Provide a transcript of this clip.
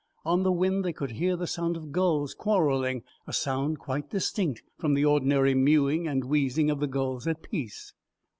On the wind they could hear the sound of gulls quarrelling, a sound quite distinct from the ordinary mewing and wheezing of the gulls at peace.